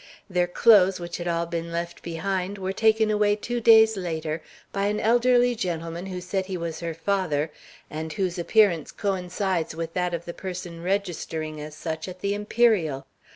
Their clothes, which had all been left behind, were taken away two days later by an elderly gentleman who said he was her father and whose appearance coincides with that of the person registering as such at the Imperial.